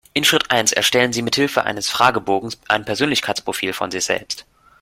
In Schritt eins erstellen Sie mithilfe eines Fragebogens ein Persönlichkeitsprofil von sich selbst.